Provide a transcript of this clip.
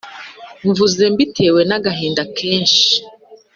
Mvuze mbitewe n'agahinda kenshi